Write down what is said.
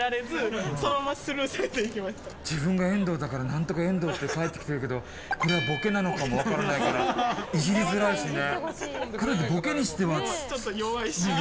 自分が遠藤だから何とか遠藤って返ってきてるけどこれはボケなのかも分からないからイジりづらいしね。